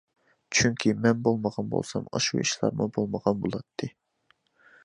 چۈنكى مەن بولمىغان بولسام ئاشۇ ئىشلارمۇ بولمىغان بولاتتى.